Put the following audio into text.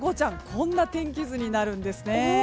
こんな天気図になるんですね。